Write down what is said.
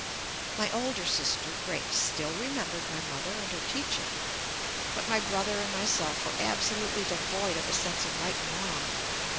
My older sister, Grace, still remembered my mother and her teaching, but my brother and myself were absolutely devoid of a sense of right and wrong.